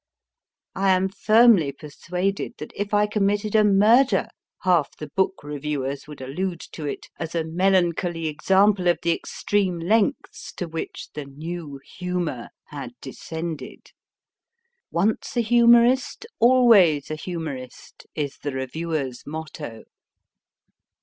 I am firmly persuaded that if I committed a murder half the book reviewers would allude to it as a melancholy example of the extreme lengths to which the new humour had de scended. 1 Once a humourist, always a humourist, is the reviewer s motto.